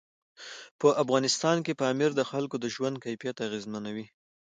په افغانستان کې پامیر د خلکو د ژوند کیفیت اغېزمنوي.